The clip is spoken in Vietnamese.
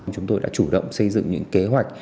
chúng tôi đã chủ động xây dựng những kế hoạch